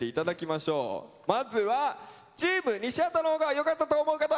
まずはチーム西畑のほうが良かったと思う方！